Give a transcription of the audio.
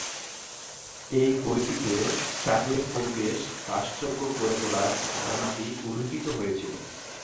এই বইটিতে চাঁদের পরিবেশ বাসযোগ্য করে তোলার ধারণাটি উল্লিখিত হয়েছিল।